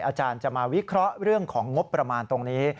อาจารย์จะมาวิเคราะห์เรื่องของงบประมาณตรงนี้